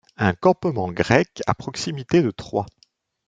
Un campement grec à proximité de Troie.